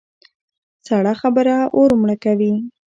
سړه خبره اور مړه کوي.